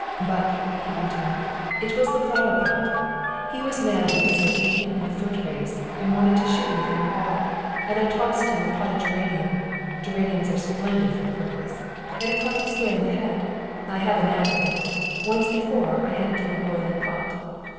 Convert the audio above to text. "But," he went on, "it was the flowerpot! He was mad because I beat him in the foot race and wanted to shoot me from the wall, and I tossed him a potted geranium geraniums are splendid for the purpose and it caught him square in the head. I have the knack of it! Once before I handed him a boiling pot!"